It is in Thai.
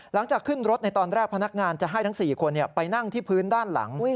หลังจากขึ้นรถในตอนแรกพนักงานจะให้ทั้ง๔คนไปนั่งที่พื้นด้านหลัง